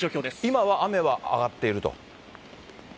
今は雨は上がっていると？